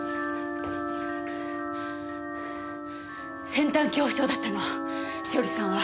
先端恐怖症だったの栞さんは。